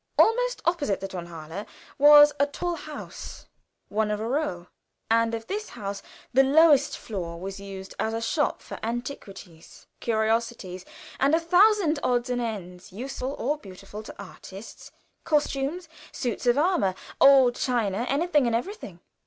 Almost opposite the Tonhalle was a tall house, one of a row, and of this house the lowest floor was used as a shop for antiquities, curiosities, and a thousand odds and ends useful or beautiful to artists, costumes, suits of armor, old china, anything and everything.